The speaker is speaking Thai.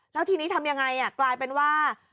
แล้วทีนี้ทำยังไงกลายเป็นว่า